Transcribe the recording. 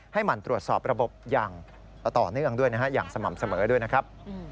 หมั่นตรวจสอบระบบอย่างต่อเนื่องด้วยนะฮะอย่างสม่ำเสมอด้วยนะครับ